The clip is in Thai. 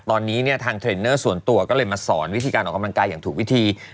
ตอนนี้เนี่ยทางเทรนเนอร์ส่วนตัวก็เลยมาสอนวิธีการออกกำลังกายอย่างถูกวิธี